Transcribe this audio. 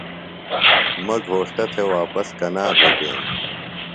مہ گھوݜٹہ تھےۡ واپس کنا بھےۡ بیم